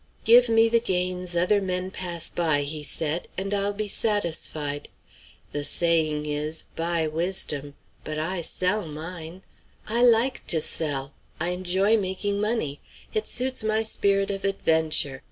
"Give me the gains other men pass by," he said, "and I'll be satisfied. The saying is, 'Buy wisdom;' but I sell mine. I like to sell. I enjoy making money. It suits my spirit of adventure.